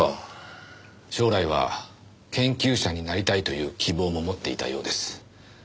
将来は研究者になりたいという希望も持っていたようです。